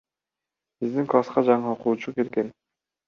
Биздин класска жаңы окуучу келген.